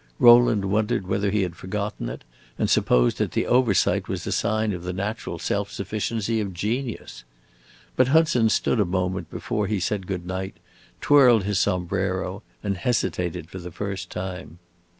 Rowland wondered whether he had forgotten it, and supposed that the oversight was a sign of the natural self sufficiency of genius. But Hudson stood a moment before he said good night, twirled his sombrero, and hesitated for the first time.